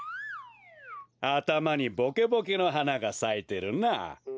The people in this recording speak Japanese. あたまにボケボケの花がさいてるな。